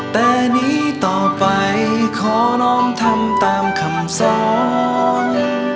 แต่นี้ต่อไปขอน้องทำตามคำสอน